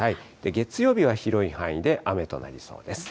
月曜日は広い範囲で雨となりそうです。